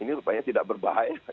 ini rupanya tidak berbahaya